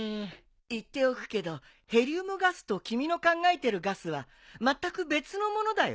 言っておくけどヘリウムガスと君の考えてるガスはまったく別の物だよ。